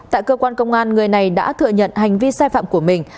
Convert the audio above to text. tại cơ quan công an người này đã thừa nhận hành vi sai phạm của mình